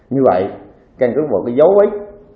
như vậy can cứu vào cái dao vết